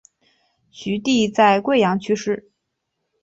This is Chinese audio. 徐的在桂阳去世。